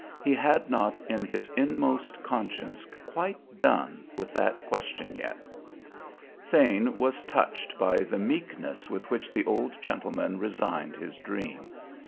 He had not in his inmost conscience quite done with that question yet. Thane was touched by the meekness with which the old gentleman resigned his dream.